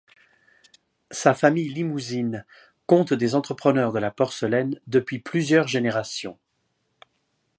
Sa famille limousine compte des entrepreneurs de la porcelaine depuis plusieurs générations.